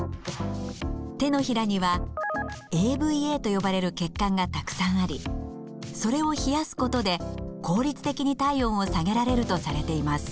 手のひらにはＡＶＡと呼ばれる血管がたくさんありそれを冷やすことで効率的に体温を下げられるとされています。